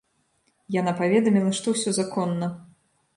Яна паведаміла, што ўсё законна.